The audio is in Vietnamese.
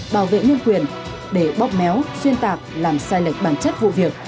bảo vệ nhân quyền để bóp méo xuyên tạc làm sai lệch bản chất vụ việc